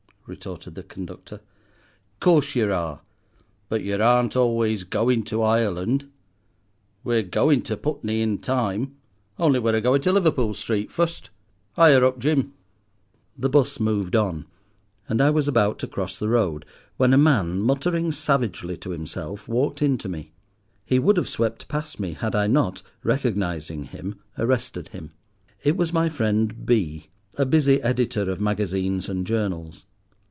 retorted the conductor. "Course yer are. But yer aren't always goin' to Ireland. We're goin' to Putney in time, only we're a going to Liverpool Street fust. 'Igher up, Jim." The bus moved on, and I was about cross the road, when a man, muttering savagely to himself, walked into me. He would have swept past me had I not, recognizing him, arrested him. It was my friend B—, a busy editor of magazines and journals.